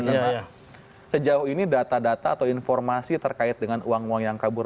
karena sejauh ini data data atau informasi terkait dengan uang uang yang kabur